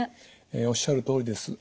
おっしゃるとおりです。